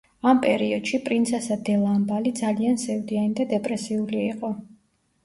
ამ პერიოდში, პრინცესა დე ლამბალი ძალიან სევდიანი და დეპრესიული იყო.